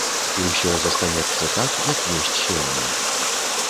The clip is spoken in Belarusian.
І ўсё застанецца так, як ёсць сёння.